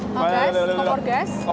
kompor gas biasa